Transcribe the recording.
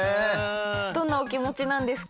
どんなお気持ちなんですか？